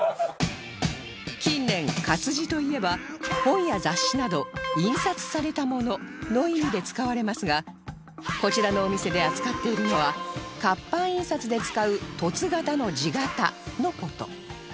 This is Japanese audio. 近年活字といえば「本や雑誌など印刷されたもの」の意味で使われますがこちらのお店で扱っているのは活版印刷で使う凸型の字型の事